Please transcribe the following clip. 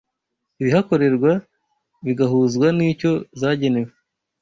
ibihakorerwa bigahuzwa n’icyo zagenewe